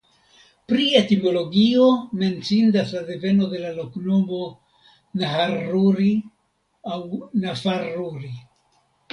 Pri etimologio menciindas la deveno de la loknomo "Naharruri" aŭ "Nafarruri".